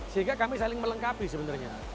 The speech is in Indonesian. sehingga kami saling melengkapi sebenarnya